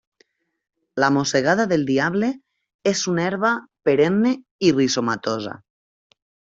La mossegada del diable és una herba perenne i rizomatosa.